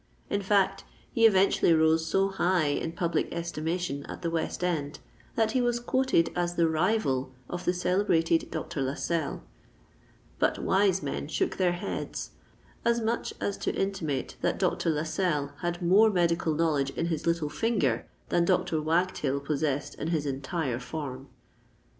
In fact, he eventually rose so high in public estimation at the West End, that he was quoted as the rival of the celebrated Dr. Lascelles;—but wise men shook their heads, as much as to intimate that Dr. Lascelles had more medical knowledge in his little finger than Dr. Wagtail possessed in his entire form.